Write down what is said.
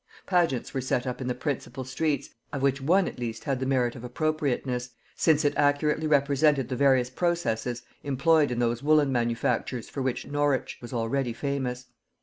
Pageants were set up in the principal streets, of which one had at least the merit of appropriateness, since it accurately represented the various processes employed in those woollen manufactures for which Norwich was already famous.